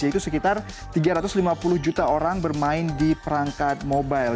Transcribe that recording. yaitu sekitar tiga ratus lima puluh juta orang bermain di perangkat mobile